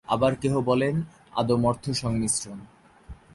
আবার কেহ বলেন, আদম অর্থ সংমিশ্রণ।